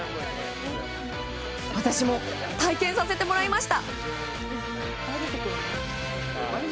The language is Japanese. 私も体験させてもらいました。